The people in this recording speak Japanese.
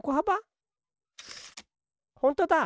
ほんとだ！